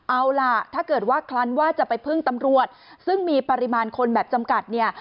เอาล่ะถ้าเกิดว่าคลั้นว่าจะไปพึ่งตำรวจซึ่งมีปริมาณคนแบบจำกัดเนี่ย